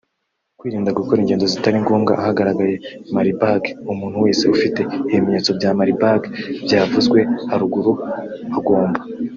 Kwirinda gukora ingendo zitari ngombwa ahagaragaye Marburg; Umuntu wese ufite ibimenyetso bya Marburg byavuzwe haruguru agomba